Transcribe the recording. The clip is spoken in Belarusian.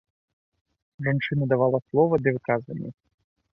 Жанчына давала слова для выказванняў.